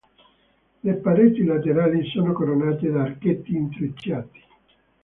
Le pareti laterali sono coronate da archetti intrecciati.